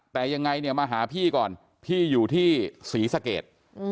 แต่ยังไงเนี่ยมาหาพี่ก่อนพี่อยู่ที่ศรีสะเกด